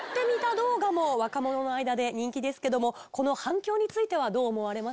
動画も若者の間で人気ですけどもこの反響についてはどう思われますか？